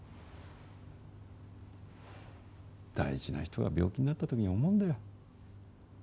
大事な人が病気になった時思うんだよ。